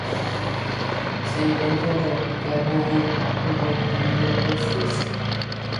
Se encuentra radicada en Gotemburgo, Suecia.